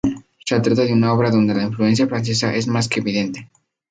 Se trata de una obra donde la influencia francesa es más que evidente.